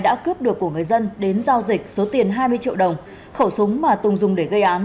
đã cướp được của người dân đến giao dịch số tiền hai mươi triệu đồng khẩu súng mà tùng dùng để gây án